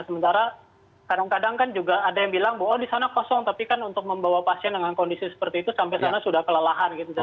sementara kadang kadang kan juga ada yang bilang bahwa di sana kosong tapi kan untuk membawa pasien dengan kondisi seperti itu sampai sana sudah kelelahan gitu